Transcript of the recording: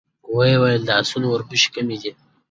ويې ويل: د آسونو وربشې کمې دي.